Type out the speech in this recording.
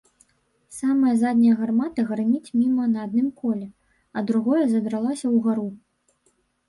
Самая задняя гармата грыміць міма на адным коле, а другое задралася ўгару.